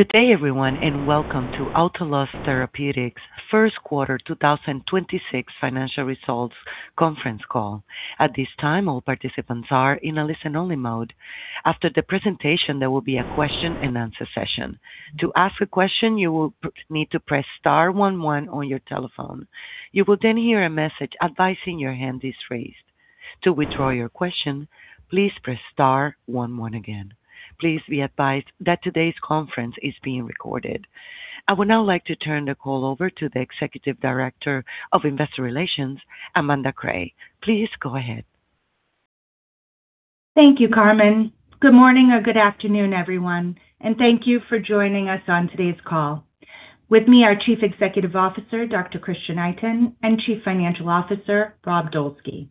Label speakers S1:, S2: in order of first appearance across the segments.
S1: Good day everyone, and welcome to Autolus Therapeutics first quarter 2026 financial results conference call. At this time, all participants are in a listen-only mode. After the presentation, there will be a question and answer session. To ask a question, you will need to press star one one on your telephone. You will then hear a message advising your hand is raised. To withdraw your question, please press star one one again. Please be advised that today's conference is being recorded. I would now like to turn the call over to the Executive Director of Investor Relations, Amanda Cray. Please go ahead.
S2: Thank you, Carmen. Good morning or good afternoon, everyone, thank you for joining us on today's call. With me, our Chief Executive Officer, Dr. Christian Itin, and Chief Financial Officer, Rob Dolski.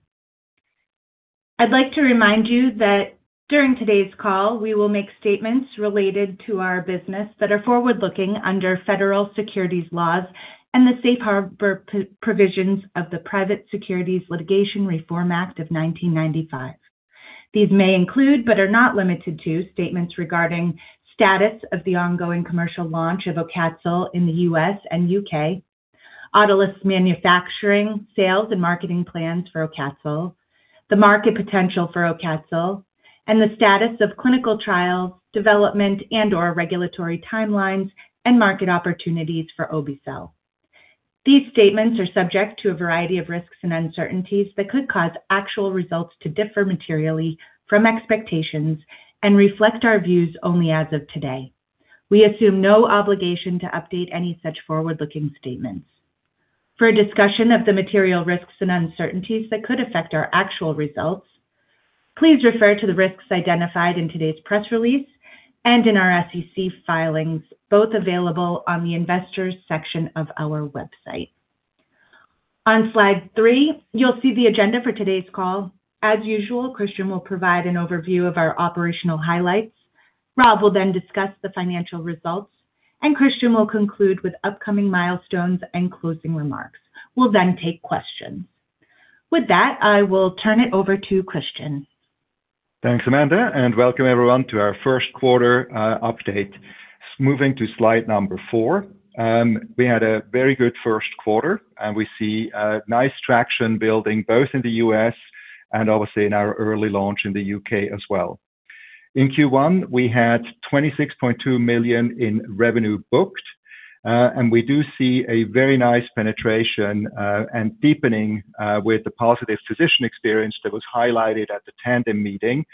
S2: I'd like to remind you that during today's call, we will make statements related to our business that are forward-looking under federal securities laws and the safe harbor provisions of the Private Securities Litigation Reform Act of 1995. These may include, but are not limited to, statements regarding status of the ongoing commercial launch of AUCATZYL in the U.S. and U.K., Autolus manufacturing, sales and marketing plans for AUCATZYL, the market potential for AUCATZYL, and the status of clinical trials, development and/or regulatory timelines and market opportunities for obe-cel. These statements are subject to a variety of risks and uncertainties that could cause actual results to differ materially from expectations and reflect our views only as of today. We assume no obligation to update any such forward-looking statements. For a discussion of the material risks and uncertainties that could affect our actual results, please refer to the risks identified in today's press release and in our SEC filings, both available on the investors section of our website. On slide 3, you'll see the agenda for today's call. As usual, Christian will provide an overview of our operational highlights. Rob will then discuss the financial results, and Christian will conclude with upcoming milestones and closing remarks. We'll take questions. With that, I will turn it over to Christian.
S3: Thanks, Amanda, and welcome everyone to our first quarter update. Moving to slide number 4, we had a very good first quarter, and we see nice traction building both in the U.S. and obviously in our early launch in the U.K. as well. In Q1, we had $26.2 million in revenue booked, and we do see a very nice penetration and deepening with the positive physician experience that was highlighted at the Tandem Meetings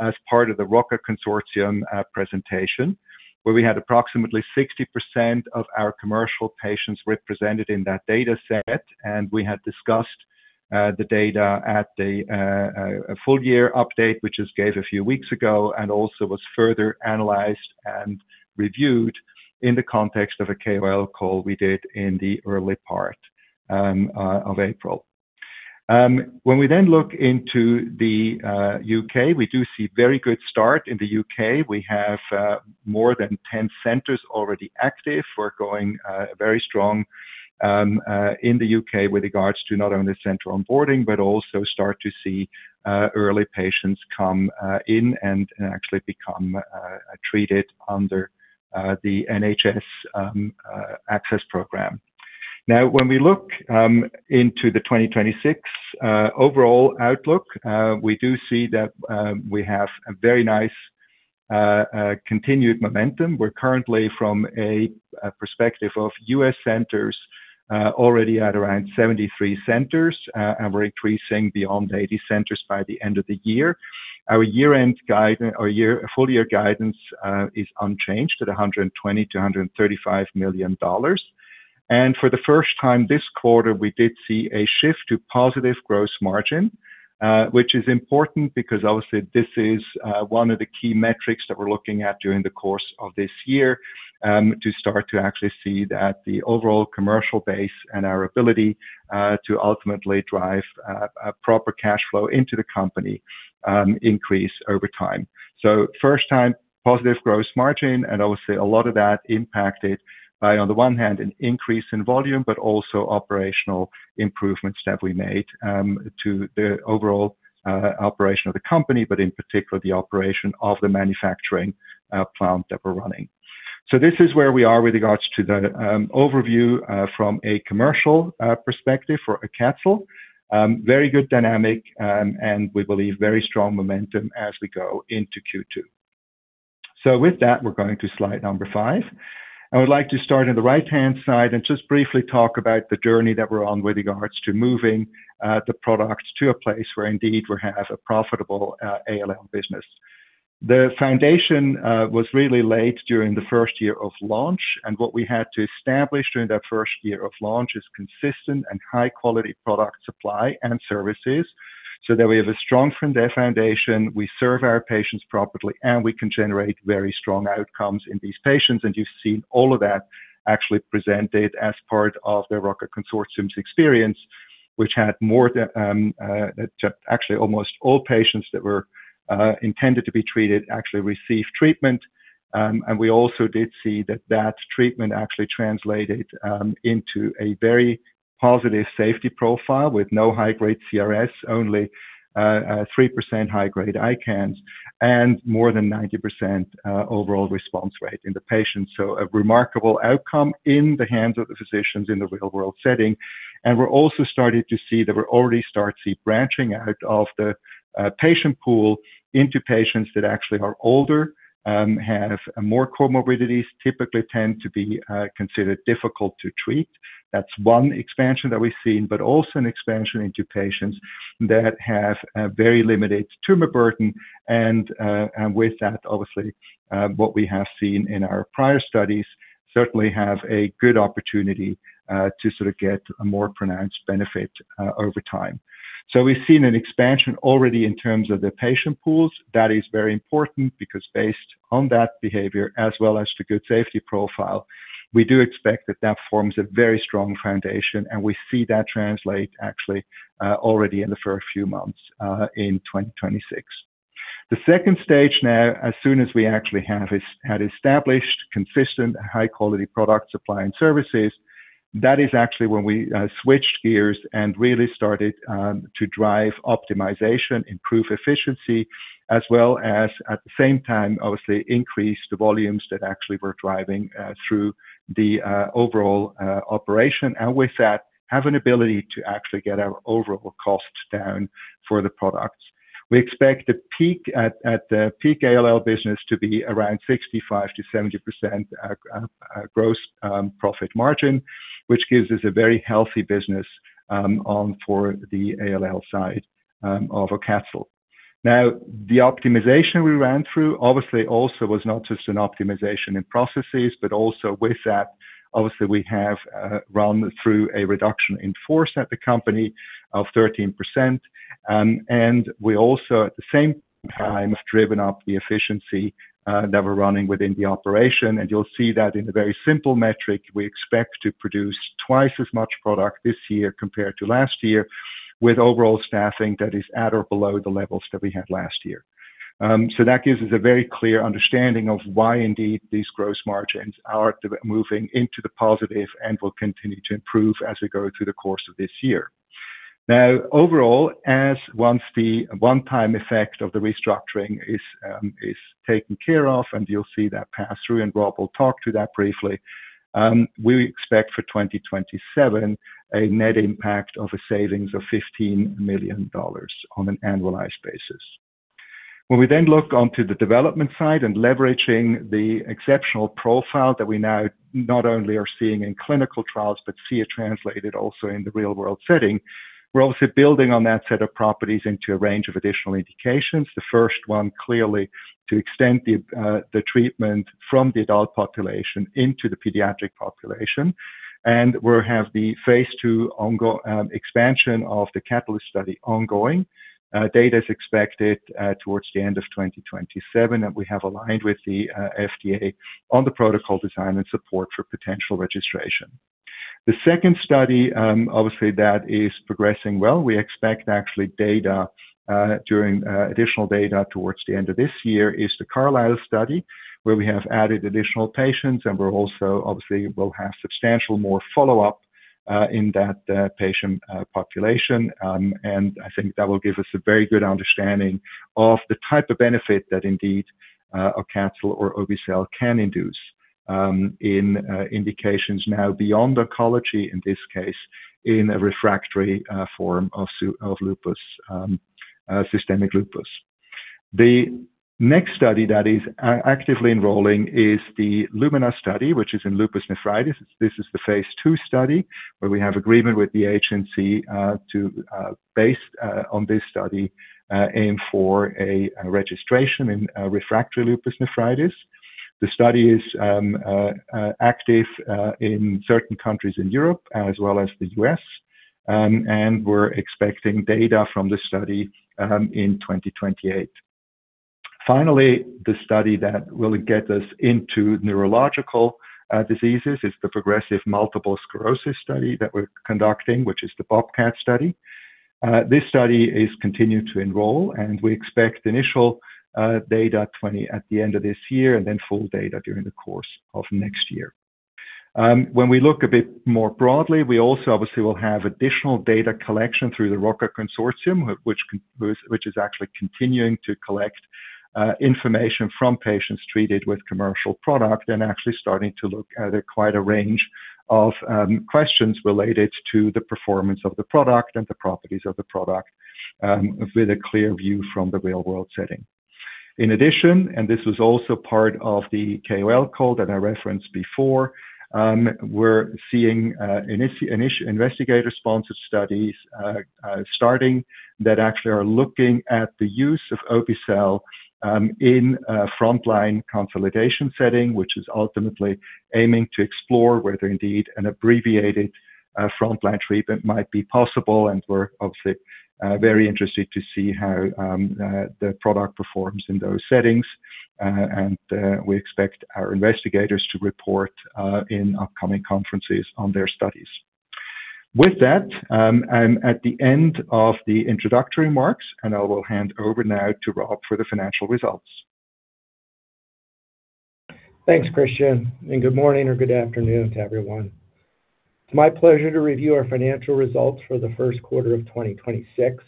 S3: as part of the Cell Therapy Consortium presentation. Where we had approximately 60% of our commercial patients represented in that data set, and we had discussed the data at the full year update, which was given a few weeks ago and also was further analyzed and reviewed in the context of a KOL call we did in the early part of April. When we look into the U.K., we do see very good start in the U.K. We have more than 10 centers already active. We're going very strong in the U.K. with regards to not only center onboarding, but also start to see early patients come in and actually become treated under the NHS access program. When we look into the 2026 overall outlook, we do see that we have a very nice continued momentum. We're currently from a perspective of U.S. centers already at around 73 centers and we're increasing beyond 80 centers by the end of the year. Our full year guidance is unchanged at $120 million-$135 million. For the first time this quarter, we did see a shift to positive gross margin, which is important because obviously this is one of the key metrics that we're looking at during the course of this year, to start to actually see that the overall commercial base and our ability to ultimately drive a proper cash flow into the company, increase over time. First time positive gross margin, and obviously a lot of that impacted by, on the one hand, an increase in volume, but also operational improvements that we made to the overall operation of the company, but in particular, the operation of the manufacturing plant that we're running. This is where we are with regards to the overview from a commercial perspective for obe-cel. Very good dynamic, and we believe very strong momentum as we go into Q2. With that, we're going to slide number 5. I would like to start on the right-hand side and just briefly talk about the journey that we're on with regards to moving the product to a place where indeed we have a profitable ALL business. The foundation was really laid during the first year of launch, and what we had to establish during that first year of launch is consistent and high-quality product supply and services so that we have a strong foundation, we serve our patients properly, and we can generate very strong outcomes in these patients. You've seen all of that actually presented as part of the Cell Therapy Consortium's experience, which had more than actually almost all patients that were intended to be treated actually received treatment. We also did see that that treatment actually translated into a very positive safety profile with no high-grade CRS, only 3% high-grade ICANS, and more than 90% overall response rate in the patients. A remarkable outcome in the hands of the physicians in the real-world setting. We're also starting to see that we're already starting to see branching out of the patient pool into patients that actually are older, have more comorbidities, typically tend to be considered difficult to treat. That's one expansion that we've seen, but also an expansion into patients that have a very limited tumor burden, and with that, obviously, what we have seen in our prior studies certainly have a good opportunity to sort of get a more pronounced benefit over time. We've seen an expansion already in terms of the patient pools. That is very important because based on that behavior, as well as the good safety profile, we do expect that that forms a very strong foundation, and we see that translate actually already in the first few months in 2026. The second stage now, as soon as we actually had established consistent high-quality product supply and services, that is actually when we switched gears and really started to drive optimization, improve efficiency, as well as at the same time, obviously, increase the volumes that actually were driving through the overall operation. With that, have an ability to actually get our overall costs down for the products. We expect at the peak ALL business to be around 65%-70% gross profit margin, which gives us a very healthy business for the ALL side of AUCATZYL. The optimization we ran through obviously also was not just an optimization in processes, but also with that, obviously, we have run through a reduction in force at the company of 13%. We also at the same time have driven up the efficiency that we're running within the operation. You'll see that in a very simple metric. We expect to produce twice as much product this year compared to last year with overall staffing that is at or below the levels that we had last year. That gives us a very clear understanding of why indeed these gross margins are moving into the positive and will continue to improve as we go through the course of this year. Overall, as once the one-time effect of the restructuring is taken care of, you'll see that pass through, Rob will talk to that briefly, we expect for 2027 a net impact of a savings of $15 million on an annualized basis. When we look onto the development side and leveraging the exceptional profile that we now not only are seeing in clinical trials, but see it translated also in the real-world setting, we're obviously building on that set of properties into a range of additional indications. The first one, clearly to extend the treatment from the adult population into the pediatric population. We'll have the phase II expansion of the CATULUS study ongoing. Data is expected towards the end of 2027, and we have aligned with the FDA on the protocol design and support for potential registration. The second study, obviously that is progressing well, we expect actually data during additional data towards the end of this year is the CARLYSLE study, where we have added additional patients, and we're also will have substantial more follow-up in that patient population. I think that will give us a very good understanding of the type of benefit that indeed obe-cel can induce in indications now beyond oncology, in this case, in a refractory form of lupus, systemic lupus. The next study that is actively enrolling is the LUMINA study, which is in lupus nephritis. This is the phase II study where we have agreement with the agency to based on this study aim for a registration in refractory lupus nephritis. The study is active in certain countries in Europe as well as the U.S. We're expecting data from this study in 2028. Finally, the study that will get us into neurological diseases is the progressive multiple sclerosis study that we're conducting, which is the BOBCAT study. This study is continuing to enroll, and we expect initial data at the end of this year and then full data during the course of next year. When we look a bit more broadly, we also obviously will have additional data collection through the Cell Therapy Consortium, which is actually continuing to collect information from patients treated with commercial product and actually starting to look at quite a range of questions related to the performance of the product and the properties of the product with a clear view from the real-world setting. In addition, this was also part of the KOL call that I referenced before, we're seeing investigator-sponsored studies starting that actually are looking at the use of obe-cel in a frontline consolidation setting, which is ultimately aiming to explore whether indeed an abbreviated frontline treatment might be possible. We're obviously very interested to see how the product performs in those settings. We expect our investigators to report in upcoming conferences on their studies. With that, I'm at the end of the introductory remarks, and I will hand over now to Rob for the financial results.
S4: Thanks, Christian. Good morning or good afternoon to everyone. It's my pleasure to review our financial results for the first quarter of 2026.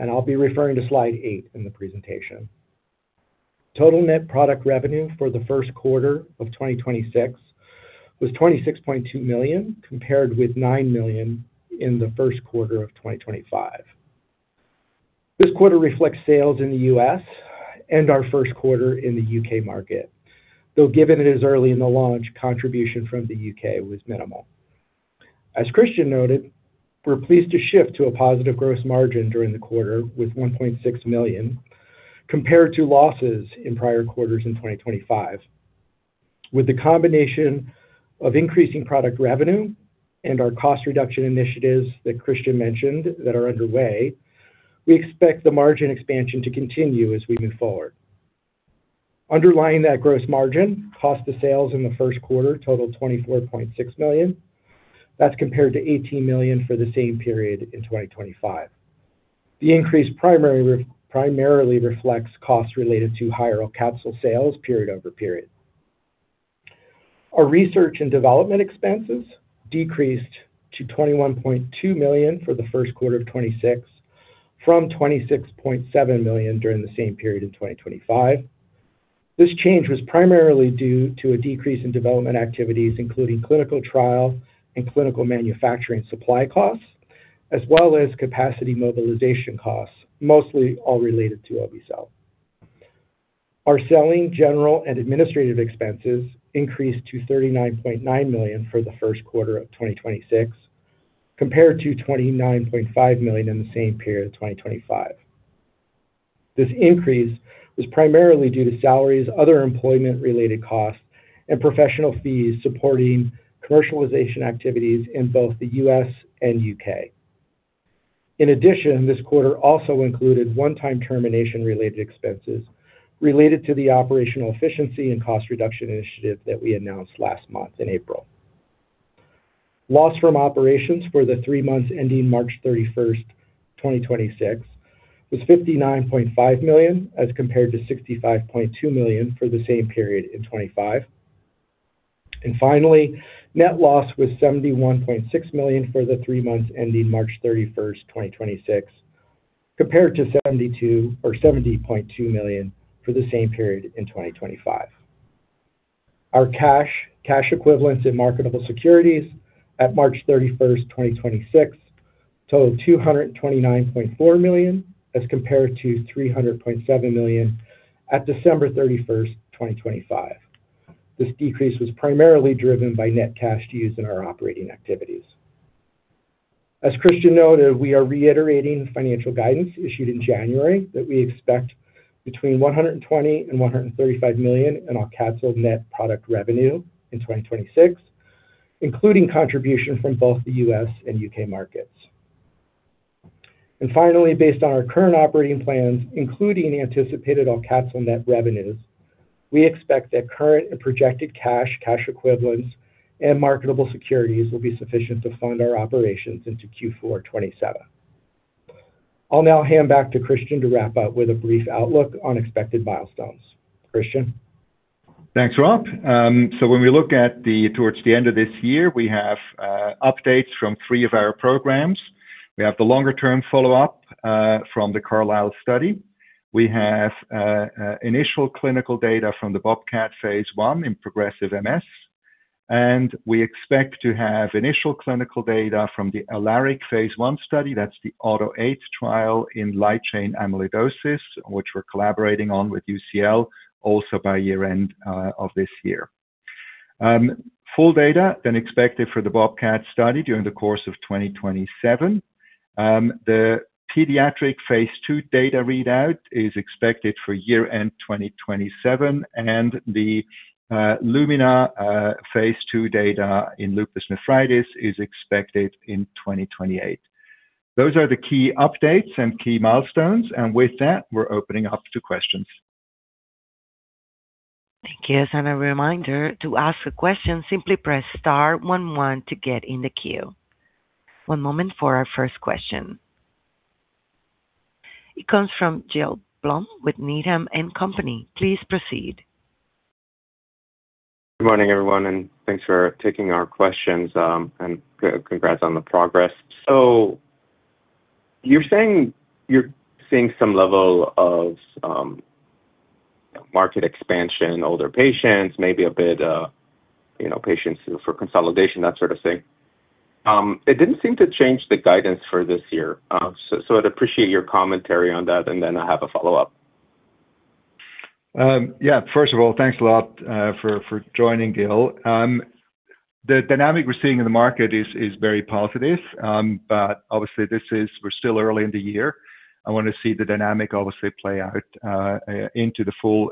S4: I'll be referring to slide 8 in the presentation. Total net product revenue for the first quarter of 2026 was $26.2 million, compared with $9 million in the first quarter of 2025. This quarter reflects sales in the U.S. and our first quarter in the U.K. market, though given it is early in the launch, contribution from the U.K. was minimal. As Christian noted, we're pleased to shift to a positive gross margin during the quarter with $1.6 million, compared to losses in prior quarters in 2025. With the combination of increasing product revenue and our cost reduction initiatives that Christian mentioned that are underway, we expect the margin expansion to continue as we move forward. Underlying that gross margin, cost of sales in the first quarter totaled 24.6 million. That's compared to 18 million for the same period in 2025. The increase primarily reflects costs related to higher AUCATZYL sales period over period. Our research and development expenses decreased to 21.2 million for the first quarter of 2026 from 26.7 million during the same period in 2025. This change was primarily due to a decrease in development activities, including clinical trial and clinical manufacturing supply costs, as well as capacity mobilization costs, mostly all related to obe-cel. Our selling, general, and administrative expenses increased to 39.9 million for the first quarter of 2026, compared to 29.5 million in the same period of 2025. This increase was primarily due to salaries, other employment-related costs, and professional fees supporting commercialization activities in both the U.S. and U.K. In addition, this quarter also included one-time termination-related expenses related to the operational efficiency and cost reduction initiative that we announced last month in April. Loss from operations for the 3 months ending March 31st, 2026 was 59.5 million, as compared to 65.2 million for the same period in 2025. Finally, net loss was 71.6 million for the 3 months ending March 31st, 2026, compared to 72 or 70.2 million for the same period in 2025. Our cash equivalents in marketable securities at March 31st, 2026 totaled 229.4 million as compared to 300.7 million at December 31st, 2025. This decrease was primarily driven by net cash used in our operating activities. As Christian noted, we are reiterating financial guidance issued in January that we expect between $120 million and $135 million in AUCATZYL net product revenue in 2026, including contribution from both the U.S. and U.K. markets. Finally, based on our current operating plans, including anticipated AUCATZYL net revenues, we expect that current and projected cash equivalents, and marketable securities will be sufficient to fund our operations into Q4 2027. I'll now hand back to Christian to wrap up with a brief outlook on expected milestones. Christian.
S3: Thanks, Rob. When we look at towards the end of this year, we have updates from 3 of our programs. We have the longer-term follow-up from the CARLYSLE study. We have initial clinical data from the BOBCAT phase I in progressive MS, and we expect to have initial clinical data from the ALARIC phase I study. That's the AUTO8 trial in light chain amyloidosis, which we're collaborating on with UCL also by year-end of this year. Full data expected for the BOBCAT study during the course of 2027. The pediatric phase II data readout is expected for year-end 2027. The LUMINA phase II data in lupus nephritis is expected in 2028. Those are the key updates and key milestones. With that, we're opening up to questions.
S1: Thank you. As a reminder, to ask a question, simply press star one one to get in the queue. One moment for our first question. It comes from Gil Blum with Needham & Company. Please proceed.
S5: Good morning, everyone, and thanks for taking our questions, and co-congrats on the progress. You're saying you're seeing some level of market expansion, older patients, maybe a bit, you know, patients for consolidation, that sort of thing. It didn't seem to change the guidance for this year. I'd appreciate your commentary on that, and then I have a follow-up.
S3: Yeah. First of all, thanks a lot for joining, Gil. The dynamic we're seeing in the market is very positive. I want to see the dynamic obviously play out into the full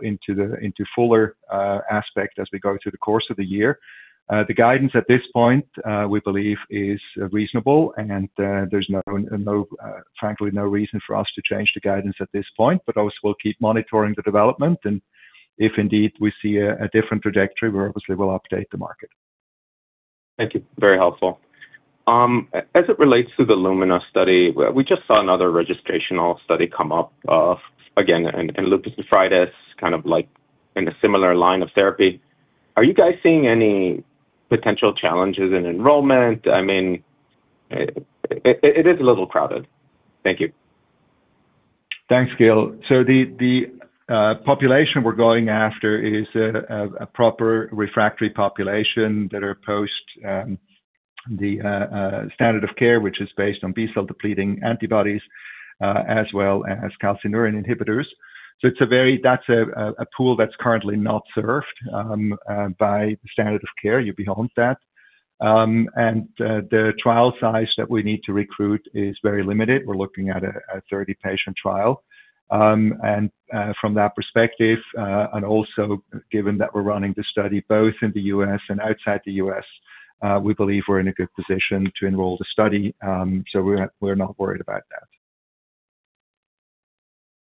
S3: aspect as we go through the course of the year. The guidance at this point, we believe is reasonable, and frankly no reason for us to change the guidance at this point. Also we'll keep monitoring the development, and if indeed we see a different trajectory, we obviously will update the market.
S5: Thank you. Very helpful. As it relates to the LUMINA study, we just saw another registrational study come up again in lupus nephritis, kind of like in a similar line of therapy. Are you guys seeing any potential challenges in enrollment? I mean, it is a little crowded. Thank you.
S3: Thanks, Gil. The population we're going after is a proper refractory population that are post the standard of care, which is based on B-cell depleting antibodies, as well as calcineurin inhibitors. That's a pool that's currently not served by the standard of care. You behold that. The trial size that we need to recruit is very limited. We're looking at a 30-patient trial. From that perspective, and also given that we're running the study both in the U.S. and outside the U.S., we believe we're in a good position to enroll the study. We're not worried about that.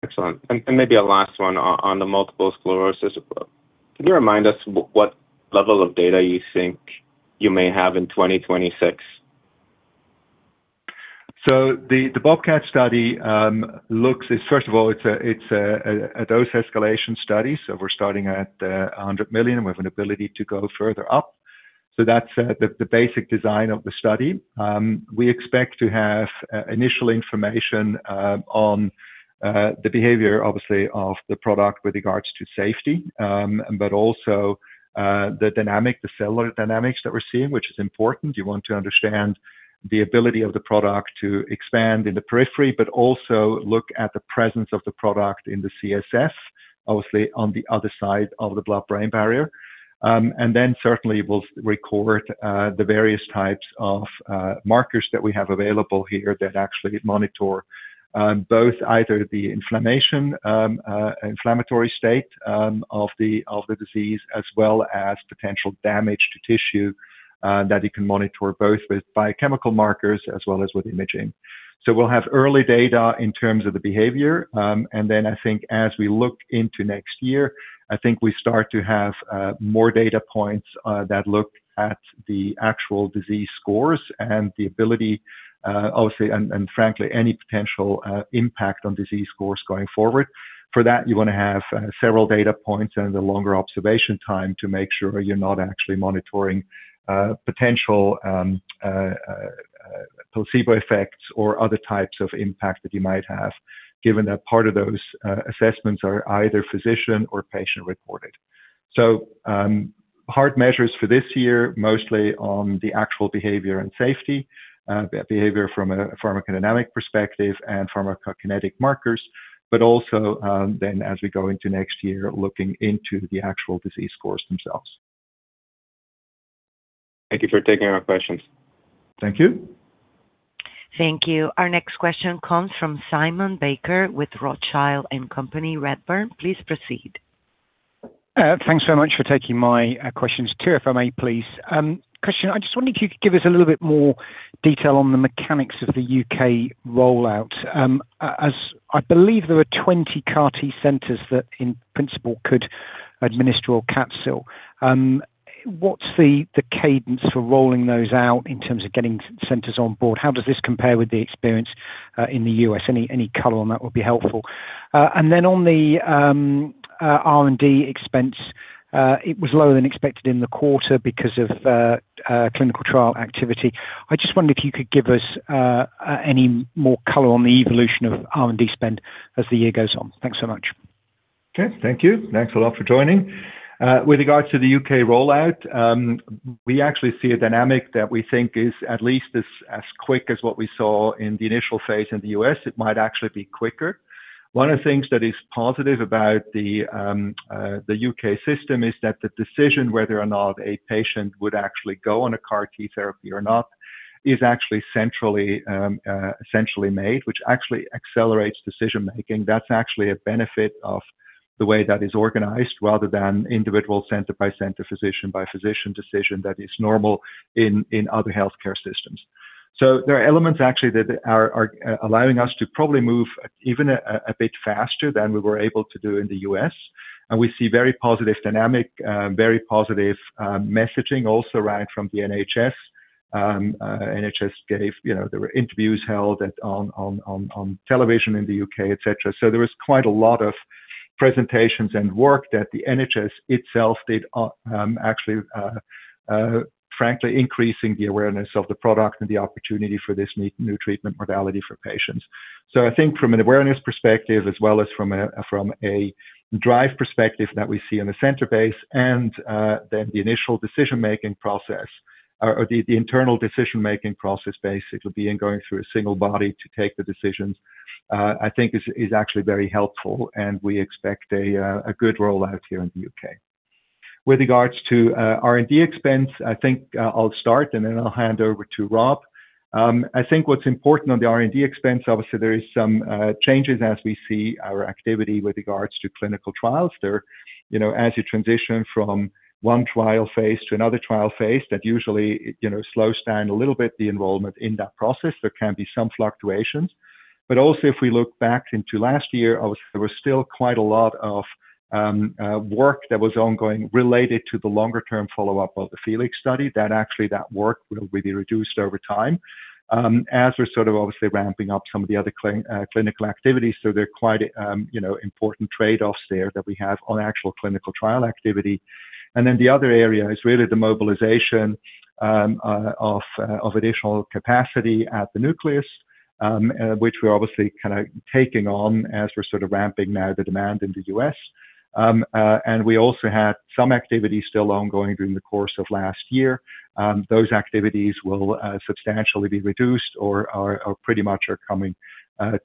S5: Excellent. Maybe a last one on the multiple sclerosis. Can you remind us what level of data you think you may have in 2026?
S3: The BOBCAT study, first of all, it's a dose escalation study, so we're starting at 100 million, and we have an ability to go further up. That's the basic design of the study. We expect to have initial information on the behavior obviously of the product with regards to safety, but also the cellular dynamics that we're seeing, which is important. You want to understand the ability of the product to expand in the periphery, but also look at the presence of the product in the CSF, obviously on the other side of the blood-brain barrier. Then certainly we'll record the various types of markers that we have available here that actually monitor both either the inflammation, inflammatory state of the disease, as well as potential damage to tissue that you can monitor both with biochemical markers as well as with imaging. We'll have early data in terms of the behavior. Then I think as we look into next year, I think we start to have more data points that look at the actual disease scores and the ability, obviously, and frankly, any potential impact on disease scores going forward. For that, you wanna have several data points and a longer observation time to make sure you're not actually monitoring potential placebo effects or other types of impact that you might have, given that part of those assessments are either physician or patient reported. Hard measures for this year, mostly on the actual behavior and safety, behavior from a pharmacodynamic perspective and pharmacokinetic markers, but also, then as we go into next year, looking into the actual disease scores themselves.
S5: Thank you for taking our questions.
S3: Thank you.
S1: Thank you. Our next question comes from Simon Baker with Rothschild & Co Redburn. Please proceed.
S6: Thanks so much for taking my questions. Two if I may please. Christian, I just wondered if you could give us a little bit more detail on the mechanics of the U.K. rollout. As I believe there are 20 CAR T centers that in principle could administer AUCATZYL. What's the cadence for rolling those out in terms of getting centers on board? How does this compare with the experience in the U.S.? Any color on that would be helpful. Then on the R&D expense, it was lower than expected in the quarter because of clinical trial activity. I just wondered if you could give us any more color on the evolution of R&D spend as the year goes on. Thanks so much.
S3: Okay. Thank you. Thanks a lot for joining. With regards to the U.K. rollout, we actually see a dynamic that we think is at least as quick as what we saw in the initial phase in the U.S. It might actually be quicker. One of the things that is positive about the U.K. system is that the decision whether or not a patient would actually go on a CAR T therapy or not is actually centrally, essentially made, which actually accelerates decision-making. That's actually a benefit of the way that is organized rather than individual center by center, physician by physician decision that is normal in other healthcare systems. There are elements actually that are allowing us to probably move even a bit faster than we were able to do in the U.S., and we see very positive dynamic, very positive messaging also right from the NHS. NHS gave, you know, there were interviews held at on television in the U.K., et cetera. There was quite a lot of presentations and work that the NHS itself did, actually, frankly, increasing the awareness of the product and the opportunity for this new treatment modality for patients. I think from an awareness perspective, as well as from a drive perspective that we see in the center base and then the initial decision-making process or the internal decision-making process base, it will be in going through a single body to take the decisions, I think is actually very helpful, and we expect a good rollout here in the U.K. With regards to R&D expense, I think I'll start and then I'll hand over to Rob. I think what's important on the R&D expense, obviously there is some changes as we see our activity with regards to clinical trials. There, you know, as you transition from one trial phase to another trial phase, that usually, you know, slows down a little bit the involvement in that process. There can be some fluctuations. Also if we look back into last year, obviously there was still quite a lot of work that was ongoing related to the longer term follow-up of the FELIX study. That actually, that work will be reduced over time as we're sort of obviously ramping up some of the other clinical activities. There are quite, you know, important trade-offs there that we have on actual clinical trial activity. The other area is really the mobilization of additional capacity at The Nucleus, which we're obviously kinda taking on as we're sort of ramping now the demand in the U.S. We also had some activity still ongoing during the course of last year. Those activities will substantially be reduced or are pretty much coming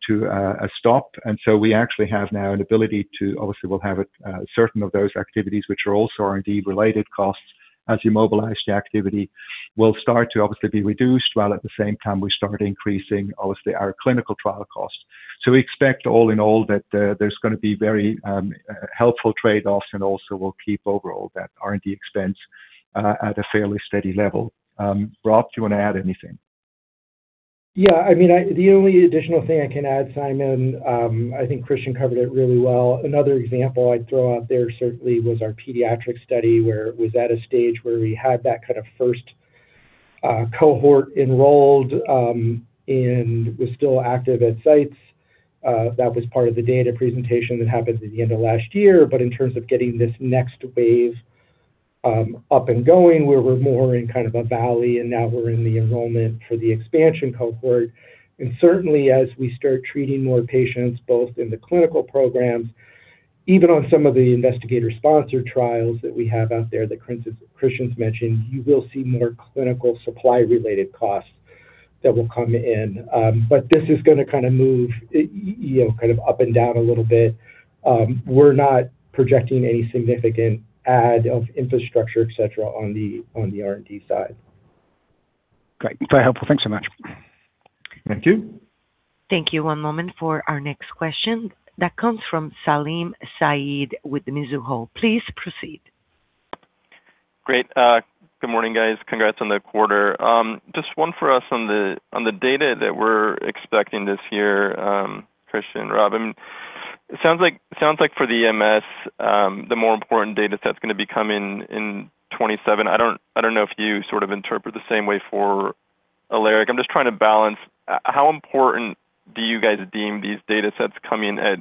S3: to a stop. We actually have now an ability to obviously we'll have it, certain of those activities which are also R&D-related costs, as you mobilize the activity, will start to obviously be reduced, while at the same time we start increasing obviously our clinical trial costs. We expect all in all that there's gonna be very helpful trade-offs and also will keep overall that R&D expense at a fairly steady level. Rob, do you want to add anything?
S4: I mean, the only additional thing I can add, Simon, I think Christian covered it really well. Another example I'd throw out there certainly was our pediatric study where it was at a stage where we had that kind of first cohort enrolled and was still active at sites. That was part of the data presentation that happened at the end of last year. In terms of getting this next wave up and going, where we're more in kind of a valley, and now we're in the enrollment for the expansion cohort. Certainly, as we start treating more patients, both in the clinical programs, even on some of the investigator sponsored trials that we have out there that Christian's mentioned, you will see more clinical supply-related costs that will come in. This is going to kind of move, you know, kind of up and down a little bit. We are not projecting any significant add of infrastructure, et cetera, on the R&D side.
S6: Great. Very helpful. Thanks so much.
S3: Thank you.
S1: Thank you. One moment for our next question. That comes from Salim Syed with Mizuho. Please proceed.
S7: Great. Good morning, guys. Congrats on the quarter. Just one for us on the data that we're expecting this year, Christian, Rob. It sounds like for the MS, the more important data set's gonna be coming in 2027. I don't know if you sort of interpret the same way for ALARIC. I'm just trying to balance how important do you guys deem these data sets coming at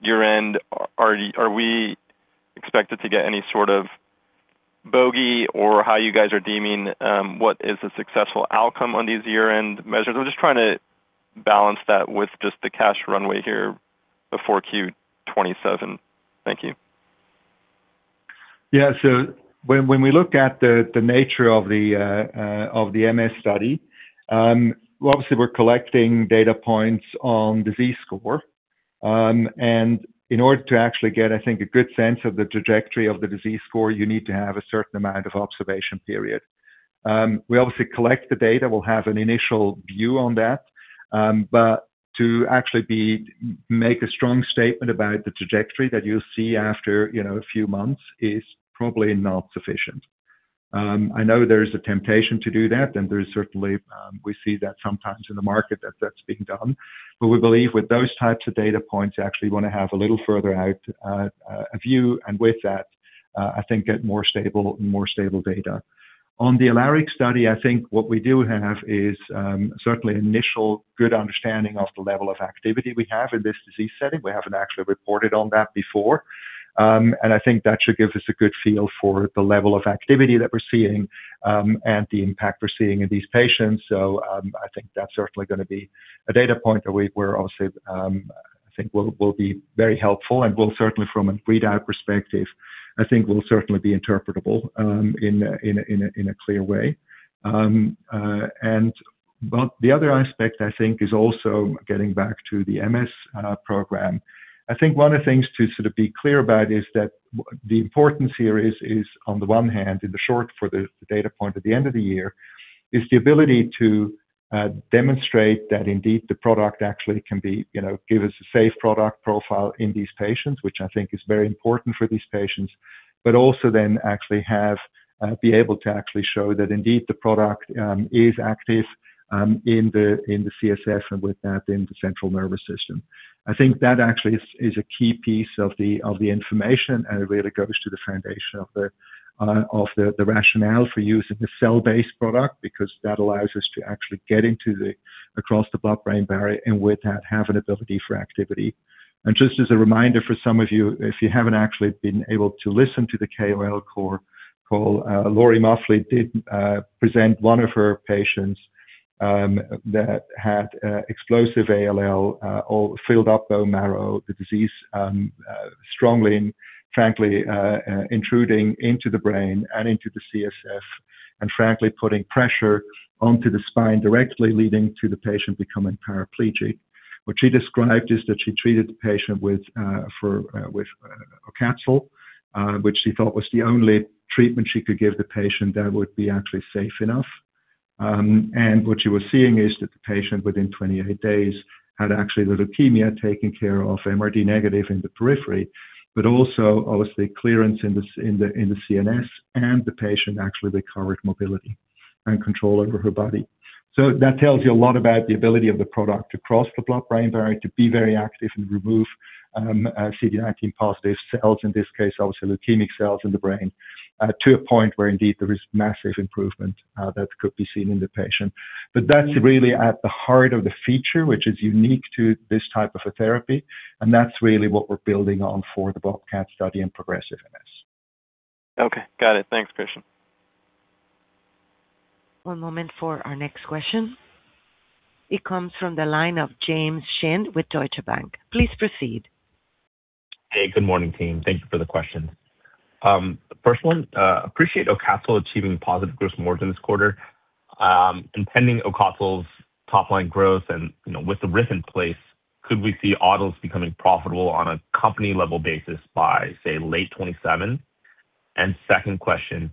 S7: year-end? Are we expected to get any sort of bogey or how you guys are deeming what is a successful outcome on these year-end measures? I'm just trying to balance that with just the cash runway here before Q 2027. Thank you.
S3: Yeah. When we look at the nature of the MS study, obviously we're collecting data points on disease score. In order to actually get, I think, a good sense of the trajectory of the disease score, you need to have a certain amount of observation period. We obviously collect the data. We'll have an initial view on that. To actually make a strong statement about the trajectory that you'll see after, you know, a few months is probably not sufficient. I know there's a temptation to do that, and there's certainly, we see that sometimes in the market that that's being done. We believe with those types of data points, you actually want to have a little further out, a view, and with that, I think get more stable data. On the ALARIC study, I think what we do have is, certainly initial good understanding of the level of activity we have in this disease setting. We haven't actually reported on that before. I think that should give us a good feel for the level of activity that we're seeing, and the impact we're seeing in these patients. I think that's certainly gonna be a data point that we're obviously, I think will be very helpful and will certainly from a read-out perspective, I think will certainly be interpretable, in a clear way. The other aspect I think is also getting back to the MS program. I think one of the things to sort of be clear about is that the importance here is on the one hand, in the short for the data point at the end of the year, is the ability to demonstrate that indeed the product actually can be, you know, give us a safe product profile in these patients, which I think is very important for these patients. Also then actually have be able to actually show that indeed the product is active in the, in the CSF and with that in the central nervous system. I think that actually is a key piece of the information and really goes to the foundation of the rationale for using the cell-based product because that allows us to actually get across the blood-brain barrier and with that have an ability for activity. Just as a reminder for some of you, if you haven't actually been able to listen to the KOL call, Lori Muffly did present one of her patients that had explosive ALL or filled up bone marrow, the disease strongly and frankly intruding into the brain and into the CSF. Frankly, putting pressure onto the spine directly leading to the patient becoming paraplegic. What she described is that she treated the patient with obe-cel, which she thought was the only treatment she could give the patient that would be actually safe enough. What she was seeing is that the patient, within 28 days, had actually the leukemia taken care of MRD negative in the periphery, but also obviously clearance in the CNS and the patient actually recovered mobility and control over her body. That tells you a lot about the ability of the product to cross the blood-brain barrier, to be very active and remove CD19 positive cells, in this case, obviously leukemic cells in the brain, to a point where indeed there is massive improvement that could be seen in the patient. That's really at the heart of the feature, which is unique to this type of a therapy, and that's really what we're building on for the BOBCAT study in progressive MS.
S7: Okay. Got it. Thanks, Christian.
S1: One moment for our next question. It comes from the line of James Shin with Deutsche Bank. Please proceed.
S8: Hey, good morning, team. Thank you for the question. I appreciate obe-cel achieving positive gross margins this quarter. Intending obe-cel's top line growth and, you know, with the risk in place, could we see Autolus becoming profitable on a company level basis by, say, late 2027? Second question,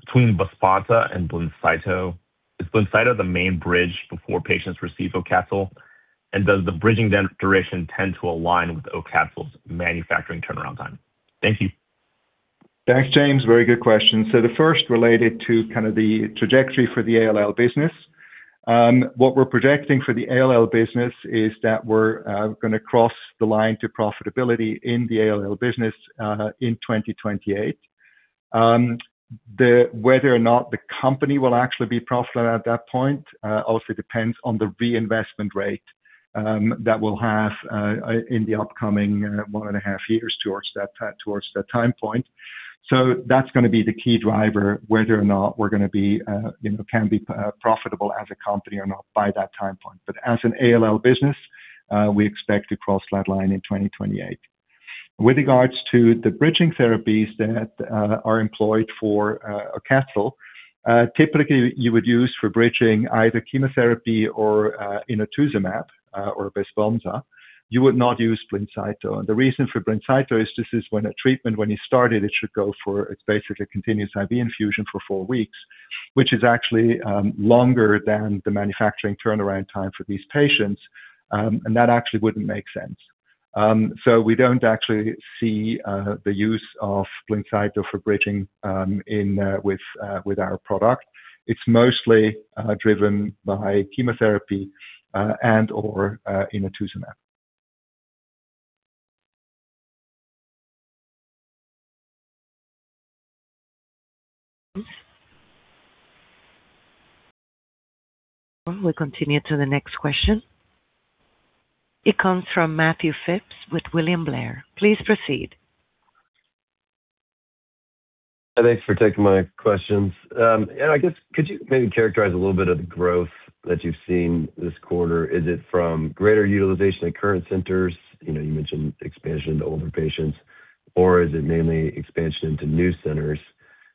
S8: between Besponsa and Blincyto, is Blincyto the main bridge before patients receive obe-cel? Does the bridging then duration tend to align with obe-cel's manufacturing turnaround time? Thank you.
S3: Thanks, James. Very good question. The first related to kind of the trajectory for the ALL business. What we're projecting for the ALL business is that we're going to cross the line to profitability in the ALL business in 2028. Whether or not the company will actually be profitable at that point also depends on the reinvestment rate that we'll have in the upcoming one and a half years towards that time point. That's going to be the key driver, whether or not we're going to be, you know, can be profitable as a company or not by that time point. As an ALL business, we expect to cross that line in 2028. With regards to the bridging therapies that are employed for obe-cel, typically you would use for bridging either chemotherapy or inotuzumab or Besponsa. You would not use Blincyto. The reason for Blincyto is this is when a treatment, when you start it should go for, it's basically a continuous IV infusion for four weeks, which is actually longer than the manufacturing turnaround time for these patients, and that actually wouldn't make sense. We don't actually see the use of Blincyto for bridging in with our product. It's mostly driven by chemotherapy and/or inotuzumab.
S1: We continue to the next question. It comes from Matthew Phipps with William Blair. Please proceed.
S9: Thanks for taking my questions. I guess could you maybe characterize a little bit of the growth that you've seen this quarter? Is it from greater utilization at current centers? You know, you mentioned expansion to older patients. Or is it mainly expansion into new centers?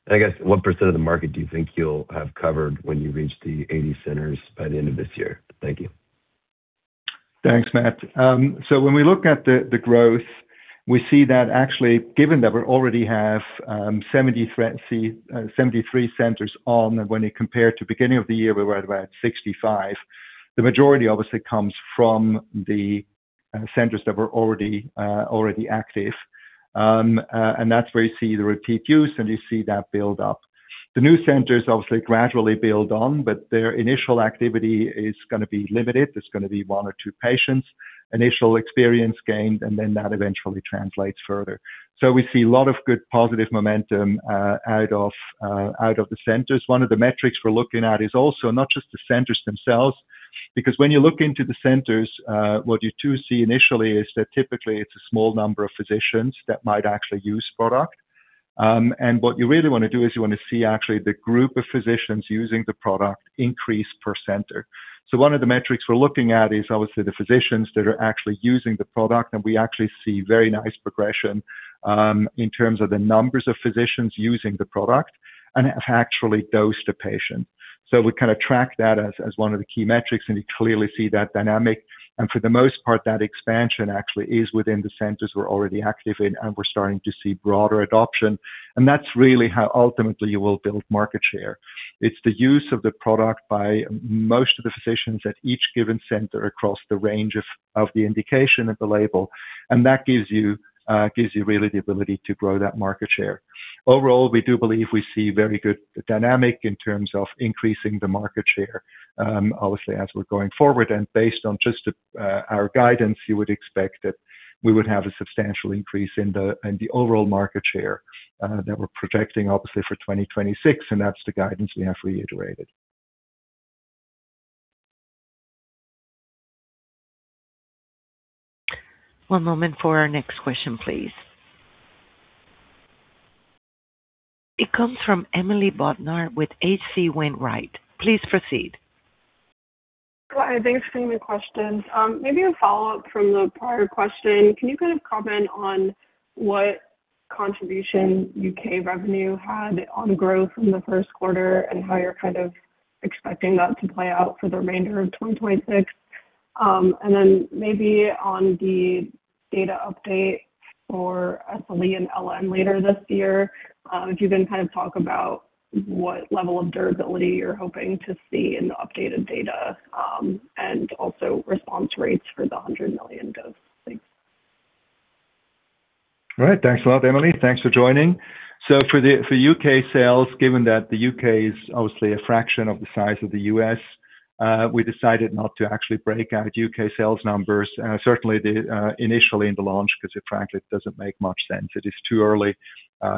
S9: I guess what percent of the market do you think you'll have covered when you reach the 80 centers by the end of this year? Thank you.
S3: Thanks, Matt. When we look at the growth, we see that actually, given that we already have 73 centers on, and when you compare to beginning of the year, we were at about 65. The majority obviously comes from the centers that were already active. That's where you see the repeat use and you see that build up. The new centers obviously gradually build on, but their initial activity is gonna be limited. There's gonna be 1 or 2 patients, initial experience gained, that eventually translates further. We see a lot of good positive momentum out of the centers. One of the metrics we're looking at is also not just the centers themselves, because when you look into the centers, what you do see initially is that typically it's a small number of physicians that might actually use product. What you really wanna do is you want to see actually the group of physicians using the product increase per center. One of the metrics we're looking at is obviously the physicians that are actually using the product, and we actually see very nice progression in terms of the numbers of physicians using the product and have actually dosed a patient. We kinda track that as one of the key metrics, and you clearly see that dynamic. For the most part, that expansion actually is within the centers we're already active in, and we're starting to see broader adoption. That's really how ultimately you will build market share. It's the use of the product by most of the physicians at each given center across the range of the indication of the label. That gives you really the ability to grow that market share. Overall, we do believe we see very good dynamic in terms of increasing the market share, obviously, as we're going forward. Based on just our guidance, you would expect that we would have a substantial increase in the overall market share that we're projecting obviously for 2026, and that's the guidance we have reiterated.
S1: One moment for our next question, please. It comes from Emily Bodnar with H.C. Wainwright. Please proceed.
S10: Hi, thanks for taking the questions. Maybe a follow-up from the prior question. Can you kind of comment on what contribution U.K. revenue had on growth in the first quarter and how you're kind of expecting that to play out for the remainder of 2026? Maybe on the data update for SLE and LN later this year, if you can kind of talk about what level of durability you're hoping to see in the updated data, and also response rates for the 100 million dose. Thanks.
S3: All right. Thanks a lot, Emily. Thanks for joining. For the U.K. sales, given that the U.K. is obviously a fraction of the size of the U.S., we decided not to actually break out U.K. sales numbers. Certainly initially in the launch because it frankly doesn't make much sense. It is too early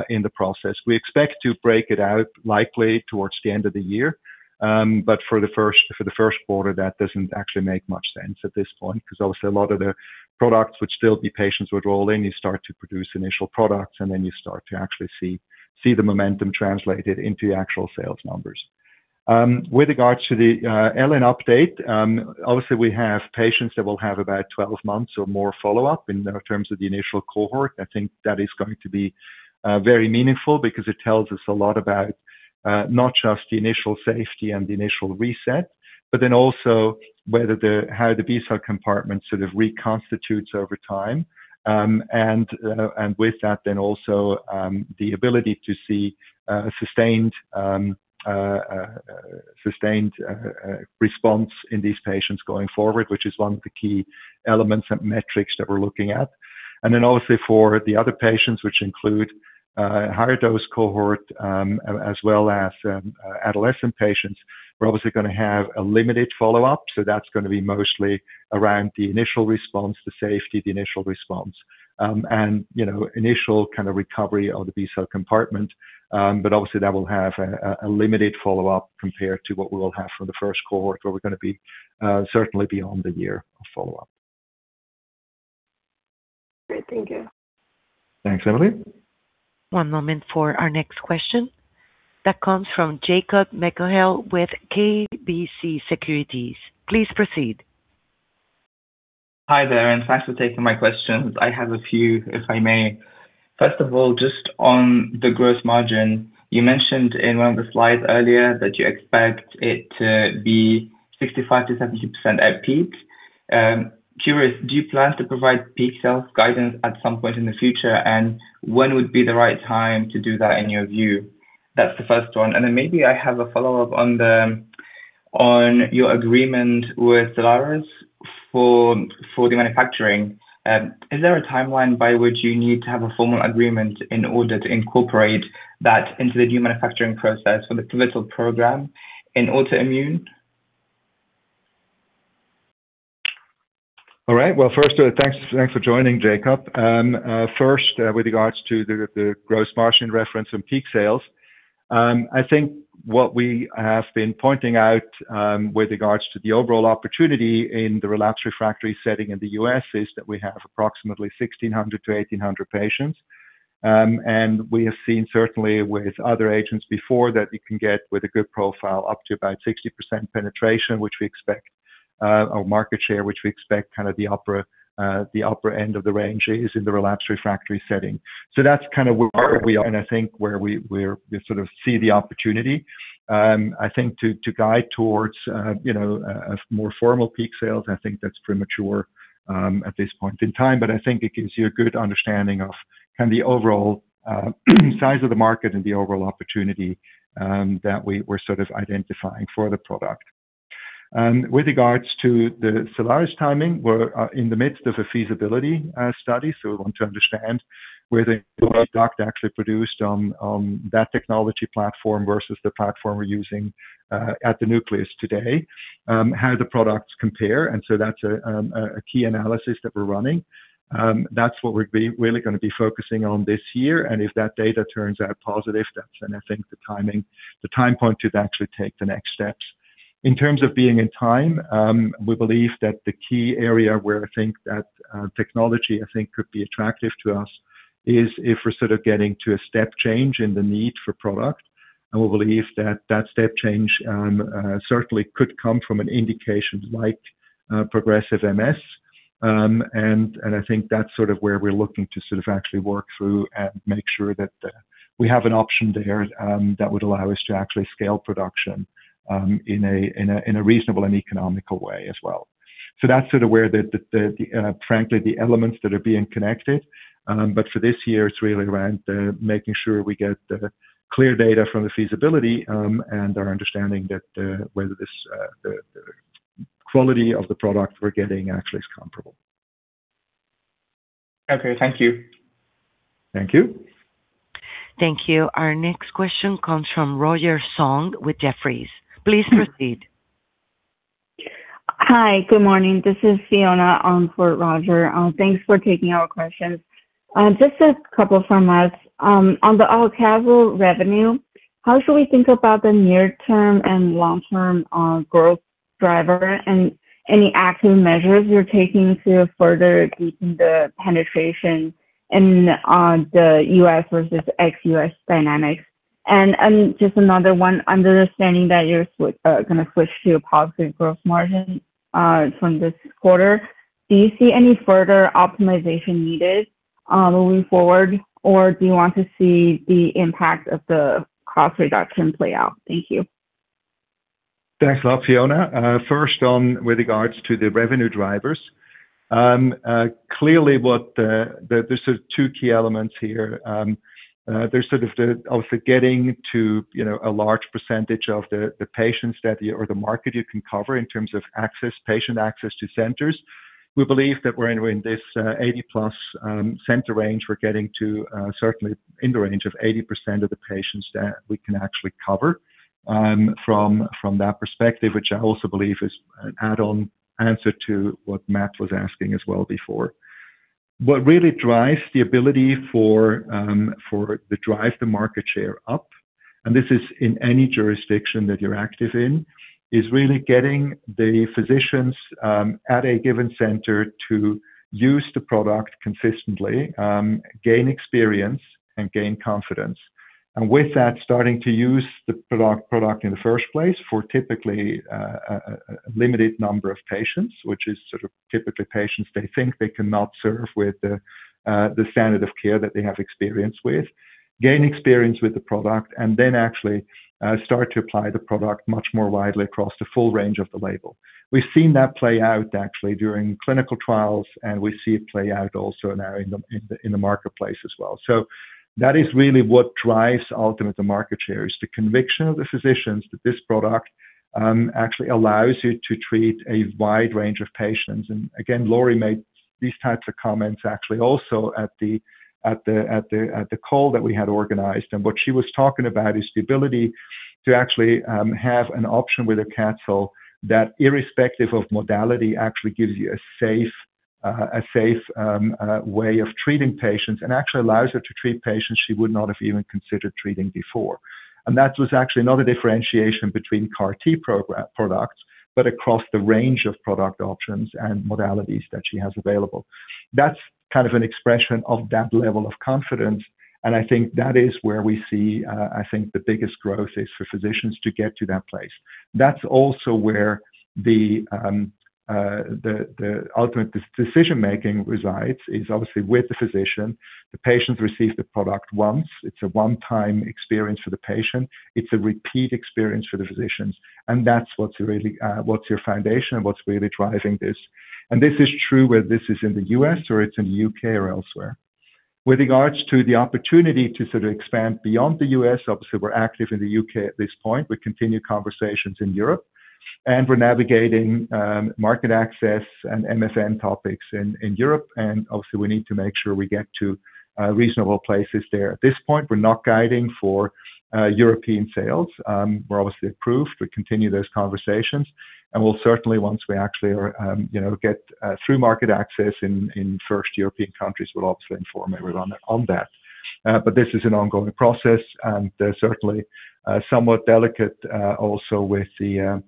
S3: in the process. We expect to break it out likely towards the end of the year. For the first quarter, that doesn't actually make much sense at this point because obviously a lot of the patients would roll in. You start to produce initial products, then you start to actually see the momentum translated into the actual sales numbers. With regards to the LN update, obviously we have patients that will have about 12 months or more follow-up in terms of the initial cohort. I think that is going to be very meaningful because it tells us a lot about not just the initial safety and the initial reset, but then also how the B cell compartment sort of reconstitutes over time. With that then also, the ability to see sustained response in these patients going forward, which is one of the key elements and metrics that we're looking at. Obviously for the other patients, which include higher dose cohort, as well as adolescent patients, we're obviously going to have a limited follow-up. That's going to be mostly around the initial response, the safety, the initial response, and you know, initial kind of recovery of the B cell compartment. Obviously, that will have a limited follow-up compared to what we will have for the first cohort, where we're going to be certainly beyond the year of follow-up.
S10: Great. Thank you.
S3: Thanks, Emily.
S1: One moment for our next question. That comes from Jacob Mekhael with KBC Securities. Please proceed.
S11: Hi there, thanks for taking my questions. I have a few, if I may. First of all, just on the gross margin, you mentioned in one of the slides earlier that you expect it to be 65%-70% at peak. Curious, do you plan to provide peak sales guidance at some point in the future? When would be the right time to do that in your view? That's the first one. Maybe I have a follow-up on the, on your agreement with Cellares Corp for the manufacturing. Is there a timeline by which you need to have a formal agreement in order to incorporate that into the new manufacturing process for the clinical program in autoimmune?
S3: All right. Well, first, thanks for joining, Jacob. First, with regards to the gross margin reference and peak sales, I think what we have been pointing out with regards to the overall opportunity in the relapsed refractory setting in the U.S. is that we have approximately 1,600-1,800 patients. We have seen certainly with other agents before that you can get with a good profile up to about 60% penetration, which we expect, or market share, which we expect kind of the upper end of the range is in the relapsed refractory setting. That's kind of where we are and I think where we sort of see the opportunity. I think to guide towards, you know, a more formal peak sales, I think that's premature at this point in time. I think it gives you a good understanding of kind of the overall size of the market and the overall opportunity that we're sort of identifying for the product. With regards to the Cellares timing, we're in the midst of a feasibility study. We want to understand where the product actually produced on that technology platform versus the platform we're using at The Nucleus today, how the products compare. That's a key analysis that we're running. That's what we're really going to be focusing on this year. If that data turns out positive, that's when I think the timing, the time point to actually take the next steps. In terms of being in time, we believe that the key area where I think that technology I think could be attractive to us is if we're sort of getting to a step change in the need for product. We believe that that step change certainly could come from an indication like progressive MS. I think that's sort of where we're looking to sort of actually work through and make sure that we have an option there that would allow us to actually scale production in a, in a, in a reasonable and economical way as well. That's sort of where the frankly, the elements that are being connected. For this year, it's really around making sure we get the clear data from the feasibility, and our understanding that, whether this, the quality of the product we're getting actually is comparable.
S11: Okay. Thank you.
S3: Thank you.
S1: Thank you. Our next question comes from Roger Song with Jefferies. Please proceed.
S12: Hi. Good morning. This is Fiona on for Roger. Thanks for taking our questions. Just a couple from us. On the AUCATZYL revenue, how should we think about the near term and long term growth driver and any active measures you're taking to further deepen the penetration in the U.S. versus ex-U.S. dynamics? Just another one. Understanding that you're gonna switch to a positive gross margin from this quarter, do you see any further optimization needed moving forward? Do you want to see the impact of the cost reduction play out? Thank you.
S3: Thanks a lot, Fiona. First on with regards to the revenue drivers, clearly there's two key elements here. There's getting to, you know, a large percentage of the patients that you or the market you can cover in terms of access, patient access to centers. We believe that we're in this 80 plus center range. We're getting to, certainly in the range of 80% of the patients that we can actually cover from that perspective, which I also believe is an add-on answer to what Matt was asking as well before. What really drives the ability for the drive the market share up, and this is in any jurisdiction that you're active in, is really getting the physicians, at a given center to use the product consistently, gain experience and gain confidence. With that, starting to use the product in the first place for typically, a limited number of patients, which is sort of typically patients they think they cannot serve with the standard of care that they have experience with. Gain experience with the product. Then actually, start to apply the product much more widely across the full range of the label. We've seen that play out actually during clinical trials, we see it play out also now in the, in the, in the marketplace as well. That is really what drives ultimate the market share, is the conviction of the physicians that this product, actually allows you to treat a wide range of patients. Again, Lori Muffly made these types of comments actually also at the call that we had organized. What she was talking about is the ability to actually have an option with a CAR T that irrespective of modality, actually gives you a safe way of treating patients and actually allows her to treat patients she would not have even considered treating before. That was actually not a differentiation between CAR T products, but across the range of product options and modalities that she has available. That's kind of an expression of that level of confidence, and I think that is where we see, I think the biggest growth is for physicians to get to that place. That's also where the ultimate decision-making resides is obviously with the physician. The patient receives the product once. It's a one-time experience for the patient. It's a repeat experience for the physicians, and that's what's really, what's your foundation and what's really driving this. This is true whether this is in the U.S. or it's in the U.K. or elsewhere. With regards to the opportunity to sort of expand beyond the U.S., obviously, we're active in the U.K. at this point. We continue conversations in Europe, and we're navigating, market access and MSN topics in Europe, and obviously, we need to make sure we get to reasonable places there. At this point, we're not guiding for European sales. We're obviously approved. We continue those conversations, and we'll certainly, once we actually are, you know, get through market access in first European countries, we'll obviously inform everyone on that. This is an ongoing process, and they're certainly somewhat delicate also with the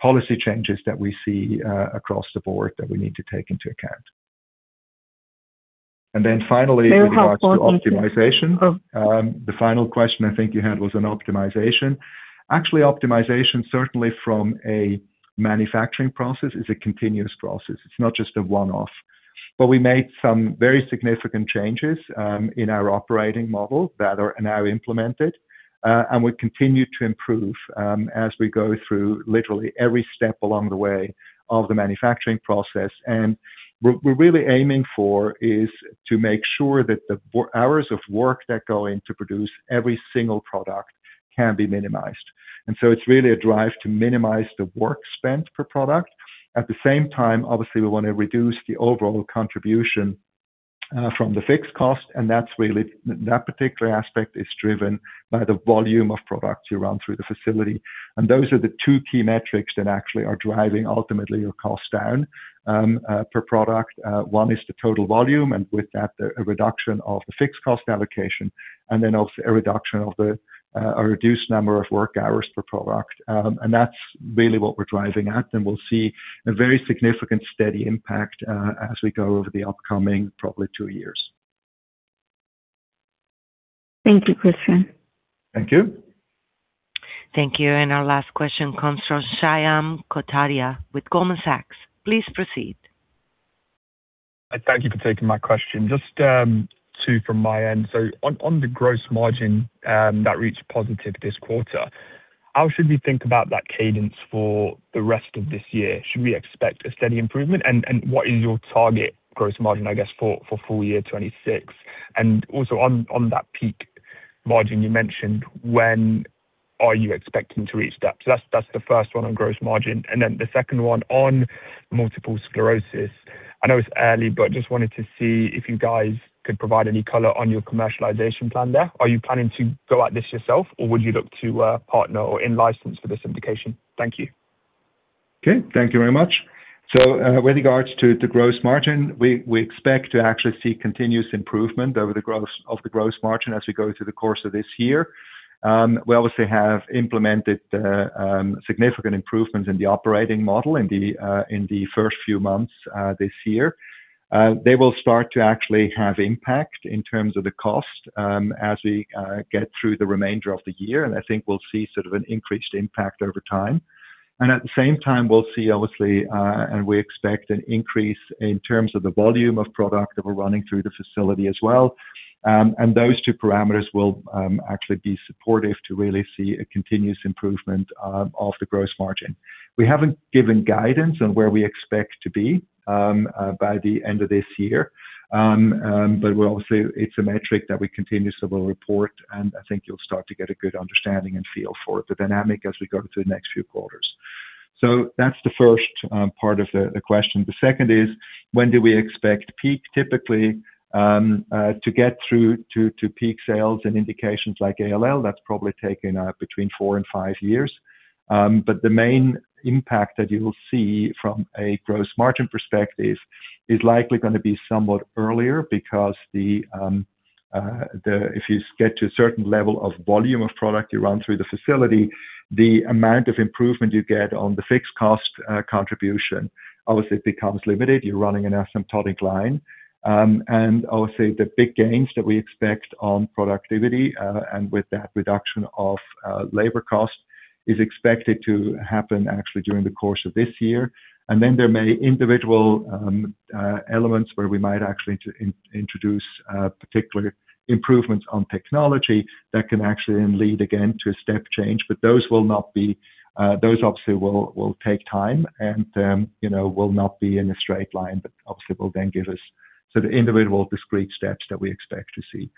S3: policy changes that we see across the board that we need to take into account.
S12: Very helpful. Thank you.
S3: With regards to optimization. The final question I think you had was on optimization. Actually, optimization, certainly from a manufacturing process, is a continuous process. It's not just a one-off. We made some very significant changes in our operating model that are now implemented, and we continue to improve as we go through literally every step along the way of the manufacturing process. What we're really aiming for is to make sure that the hours of work that go in to produce every single product can be minimized. It's really a drive to minimize the work spent per product. At the same time, obviously, we want to reduce the overall contribution from the fixed cost, and that particular aspect is driven by the volume of products you run through the facility. Those are the two key metrics that actually are driving ultimately your cost down per product. One is the total volume, and with that, the reduction of the fixed cost allocation and then also a reduction of a reduced number of work hours per product. That's really what we're driving at, and we'll see a very significant steady impact as we go over the upcoming probably two years.
S12: Thank you, Christian.
S3: Thank you.
S1: Thank you. Our last question comes from Shyam Kotadia with Goldman Sachs. Please proceed.
S13: Thank you for taking my question. Just 2 from my end. On the gross margin that reached positive this quarter, how should we think about that cadence for the rest of this year? Should we expect a steady improvement? What is your target gross margin, I guess, for full year 2026? Also on that peak margin you mentioned, when are you expecting to reach that? That's the first one on gross margin. Then the second one on multiple sclerosis. I know it's early, but just wanted to see if you guys could provide any color on your commercialization plan there. Are you planning to go at this yourself, or would you look to a partner or in-license for this indication? Thank you.
S3: Thank you very much. With regards to the gross margin, we expect to actually see continuous improvement of the gross margin as we go through the course of this year. We obviously have implemented significant improvements in the operating model in the first few months this year. They will start to actually have impact in terms of the cost as we get through the remainder of the year. I think we'll see sort of an increased impact over time. At the same time, we'll see obviously, and we expect an increase in terms of the volume of product that we're running through the facility as well. Those two parameters will actually be supportive to really see a continuous improvement of the gross margin. We haven't given guidance on where we expect to be by the end of this year. We're obviously It's a metric that we continuously will report, and I think you'll start to get a good understanding and feel for the dynamic as we go through the next few quarters. That's the first part of the question. The second is, when do we expect peak typically to get through to peak sales in indications like ALL, that's probably taken between 4 and 5 years. The main impact that you will see from a gross margin perspective is likely gonna be somewhat earlier because if you get to a certain level of volume of product you run through the facility, the amount of improvement you get on the fixed cost contribution obviously becomes limited. You're running an asymptotic line. Obviously, the big gains that we expect on productivity and with that reduction of labor cost, is expected to happen actually during the course of this year. Then there may individual elements where we might actually introduce particular improvements on technology that can actually then lead again to a step change. Those will not be, those obviously will take time and will not be in a straight line, but obviously will then give us sort of individual discrete steps that we expect to see.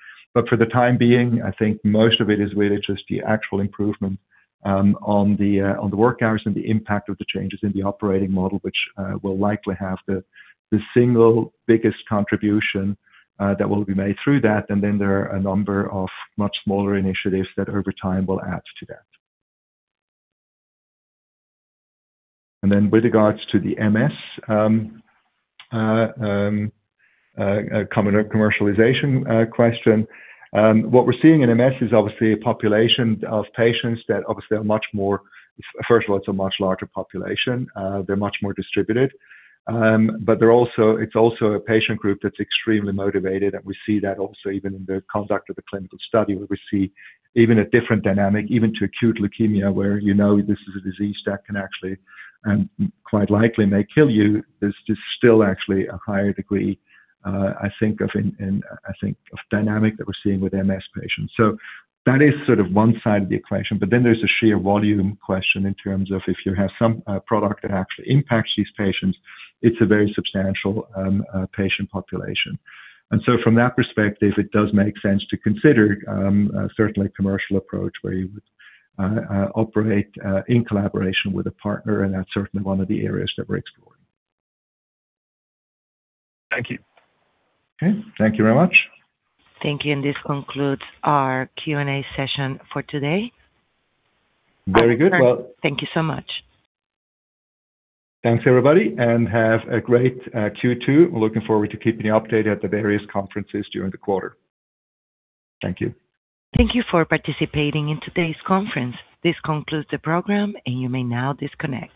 S3: For the time being, I think most of it is really just the actual improvement on the work hours and the impact of the changes in the operating model, which will likely have the single biggest contribution that will be made through that. There are a number of much smaller initiatives that over time will add to that. With regards to the MS commercialization question. What we're seeing in MS is obviously a population of patients. First of all, it's a much larger population. They're much more distributed. They're also, it's also a patient group that's extremely motivated, and we see that also even in the conduct of the clinical study. We see even a different dynamic, even to acute leukemia, where you know this is a disease that can actually and quite likely may kill you. There's just still actually a higher degree, I think of in, I think of dynamic that we're seeing with MS patients. That is sort of one side of the equation. There's the sheer volume question in terms of if you have some product that actually impacts these patients, it's a very substantial patient population. From that perspective, it does make sense to consider, certainly a commercial approach where you would operate in collaboration with a partner, and that is certainly one of the areas that we are exploring.
S13: Thank you.
S3: Okay. Thank you very much.
S1: Thank you. This concludes our Q&A session for today.
S3: Very good.
S1: Thank you so much.
S3: Thanks, everybody, and have a great Q2. We're looking forward to keeping you updated at the various conferences during the quarter. Thank you.
S1: Thank you for participating in today's conference. This concludes the program, and you may now disconnect.